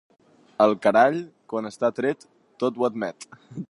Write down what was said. El carall, quan està tret, tot ho admet.